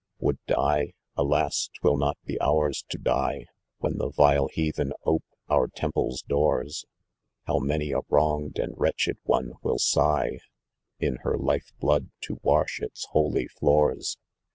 " Would die ? Alas ! twill not be ours to die, "When the Tile heathen ope our temple's doow, Hew many a wronged and wretched one will sigh, In her life blood, to wash its holy floors.